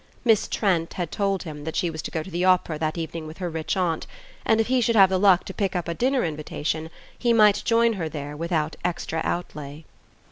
Miss Trent had told him that she was to go to the opera that evening with her rich aunt; and if he should have the luck to pick up a dinner invitation he might join her there without extra outlay.